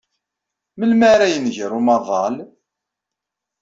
Melmi ara yenger umaḍal?